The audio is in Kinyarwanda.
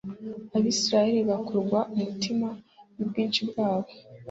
abisirayeli bakurwa umutima n’ubwinshi bwabo